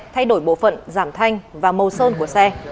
thay đổi bộ phận giảm thanh và màu sơn của xe